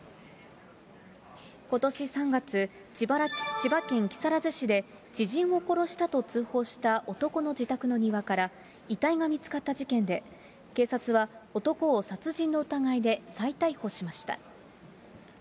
ことし３月、千葉県木更津市で、知人を殺したと通報した男の自宅の庭から、遺体が見つかった事件で、警察は男を殺人の疑いで再逮捕しました。